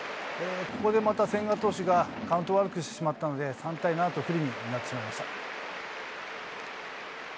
ここでまた千賀投手がカウントを悪くしてしまったので、３対７と不利になってしまいました。